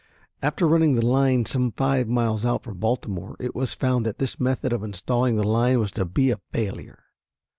After running the line some five miles out from Baltimore it was found that this method of installing the line was to be a failure.